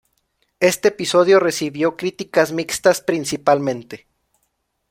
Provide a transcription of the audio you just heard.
Este episodio recibió críticas mixtas, principalmente.